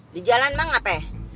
di jalan emak ngapain